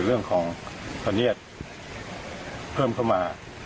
เรื่องของพันธุ์เนียดเพิ่มเข้ามา